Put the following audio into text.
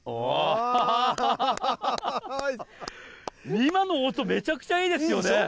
今の音、めちゃくちゃいいですよね。